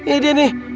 ini dia nih